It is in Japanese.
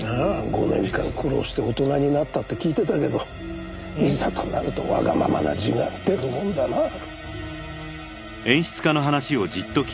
５年間苦労して大人になったって聞いてたけどいざとなるとわがままな地が出るもんだなあ。